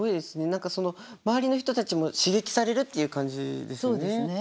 何かその周りの人たちも刺激されるっていう感じですよね。